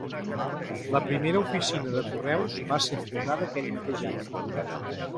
La primera oficina de correus va ser fundada aquell mateix any.